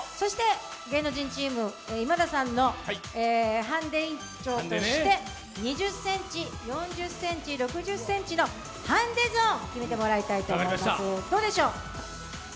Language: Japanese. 芸能人チーム、今田さん、ハンデ委員長として、２０ｃｍ、４０ｃｍ、６０ｃｍのハンデゾーン決めてもらいたいと思います。